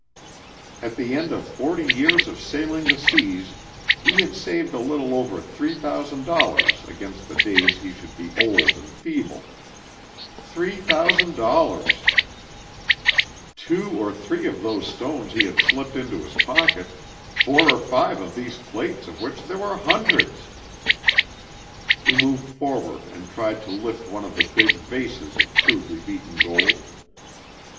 At the end of forty years of sailing the seas he had saved a little over three thousand dollars against the days he should be old and feeble. Three thousand dollars! Two or three of those stones he had slipped into his pocket, four or five of these plates of which there were hundreds! [Illustration: Minute after minute, Stubbs stared at this sight in silence.] He moved forward and tried to lift one of the big vases of crudely beaten gold.